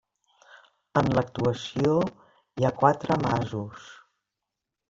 En l'actuació hi ha quatre masos.